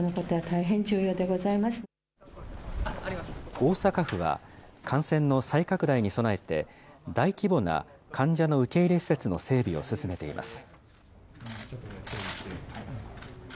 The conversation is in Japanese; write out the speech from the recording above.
大阪府は、感染の再拡大に備えて、大規模な患者の受け入れ施設の整備を進めています。